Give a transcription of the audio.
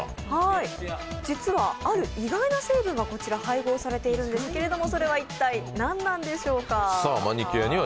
実はある意外な成分がはいごうされているんですけどそれは一体何なんでしょうか？